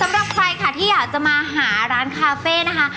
สำหรับใครค่ะที่อยากจะมาหาร้านคาเฟ่นะคะ